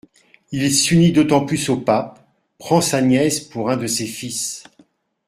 Il s'unit d'autant plus au pape, prend sa nièce pour un de ses fils.